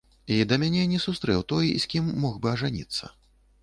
І да мяне не сустрэў той, з кім мог бы ажаніцца.